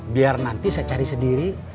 biar nanti saya cari sendiri